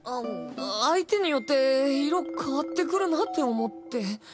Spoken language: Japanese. あ相手によって色変わってくるなって思って。